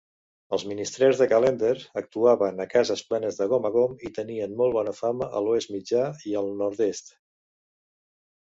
Els ministrers de Callender actuaven a cases plenes de gom a gom i tenien molt bona fama a l'Oest Mitjà i al Nord-est.